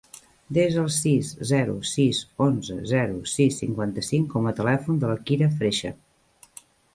Desa el sis, zero, sis, onze, zero, sis, cinquanta-cinc com a telèfon de la Kira Freixa.